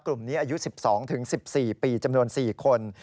กลุ่มนี้อายุ๑๒๑๔ปีจำนวน๔คน